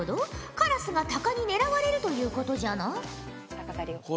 カラスが鷹に狙われるということじゃな？